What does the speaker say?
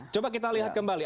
coba kita lihat kembali